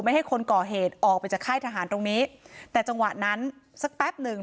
ให้คนก่อเหตุออกไปจากค่ายทหารตรงนี้แต่จังหวะนั้นสักแป๊บหนึ่ง